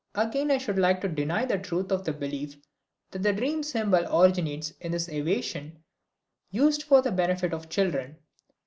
Again I should like to deny the truth of the belief that the dream symbol originates in this evasion used for the benefit of children.